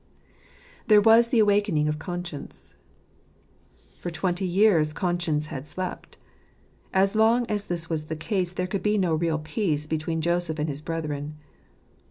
II. There was the Awakening of Conscience. For twenty years conscience had slept. And as long as this was the case there could be no real peace between Joseph and his brethren.